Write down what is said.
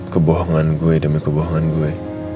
kebohongan gue demi kebohongan gue